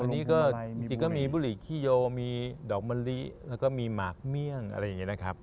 อันนี้ก็จริงก็มีบุหรี่ขี้โยมีดอกมะลิแล้วก็มีหมากเมี่ยงอะไรอย่างนี้นะครับ